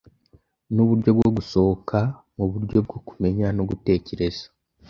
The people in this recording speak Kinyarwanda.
Nuburyo bwo gusohoka muburyo bwo kumenya no gutekereza